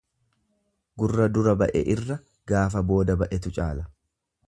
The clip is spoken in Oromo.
Gurra dura ba'e irra, gaafa booda ba'etu caala.